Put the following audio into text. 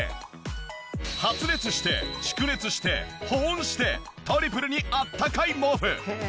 発熱して蓄熱して保温してトリプルにあったかい毛布。